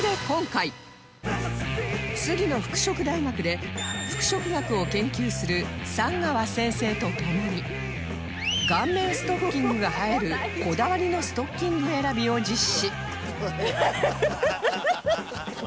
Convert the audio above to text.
杉野服飾大学で服飾学を研究する山川先生とともに顔面ストッキングが映えるこだわりのストッキング選びを実施